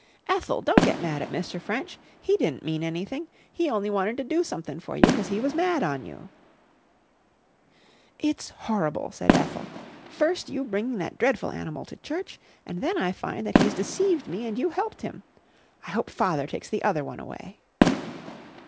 "Ethel, don't get mad at Mr. French. He di'n't mean anything! He only wanted to do sumthin' for you 'cause he was mad on you." "It's horrible!" said Ethel. "First you bringing that dreadful animal to church, and then I find that he's deceived me and you helped him. I hope Father takes the other one away."